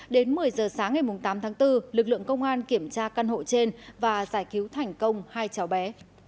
đến một mươi giờ sáng ngày tám tháng bốn lực lượng công an kiểm tra căn hộ trên và giải cứu thành công hai cháu bé